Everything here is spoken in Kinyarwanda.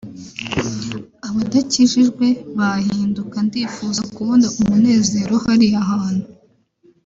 abadakijijwe bahinduka ndifuza kubona umunezero hariya hantu